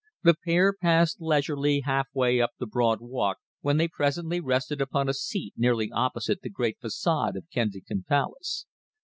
The pair passed leisurely half way up the Broad Walk, when they presently rested upon a seat nearly opposite the great façade of Kensington Palace.